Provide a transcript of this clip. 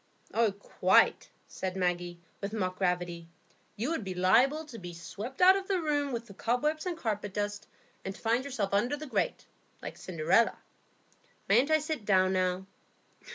"Oh, quite," said Maggie, with mock gravity. "You would be liable to be swept out of the room with the cobwebs and carpet dust, and to find yourself under the grate, like Cinderella. Mayn't I sit down now?"